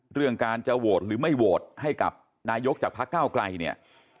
เรื่องการจะโหวตหรือไม่โหวตให้กับนายกจากพระเก้าไกลเนี่ย